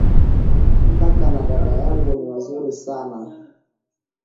Kaka na dada yangu ni wazuri sana